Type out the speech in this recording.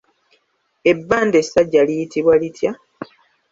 Ebbanda essajja liyitibwa litya?